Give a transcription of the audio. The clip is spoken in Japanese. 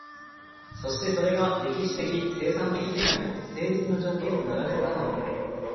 そしてそれが歴史的生産的世界の成立の条件とならねばならない。